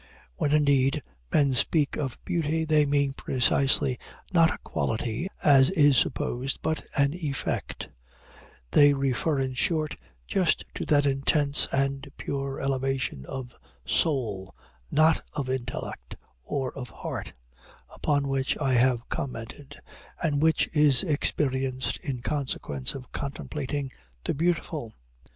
When, indeed, men speak of Beauty, they mean, precisely, not a quality, as is supposed, but an effect they refer, in short, just to that intense and pure elevation of soul not of intellect, or of heart upon which I have commented, and which is experienced in consequence of contemplating "the beautiful."